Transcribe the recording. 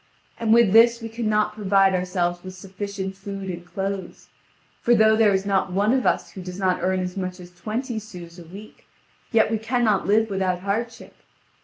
And with this we cannot provide ourselves with sufficient food and clothes. For though there is not one of us who does not earn as much as twenty sous a week, yet we cannot live without hardship.